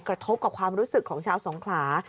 กระทบกับความรู้สึกของชาวสงขลา